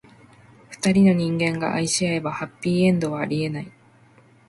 二人の人間が愛し合えば、ハッピーエンドはありえない。